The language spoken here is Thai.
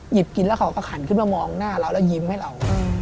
กินแล้วเขาก็หันขึ้นมามองหน้าเราแล้วยิ้มให้เรา